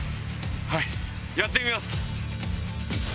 はいやってみます！